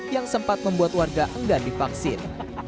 yang sempat membuat warga enggan divaksin